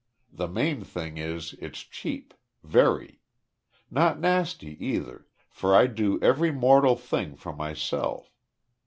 The main thing is it's cheap very. Not nasty either, for I do every mortal thing for myself.